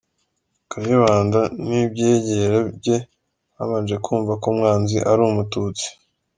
Kayibanda n’ibyegera bye babanje kumva ko “umwanzi” ari umututsi.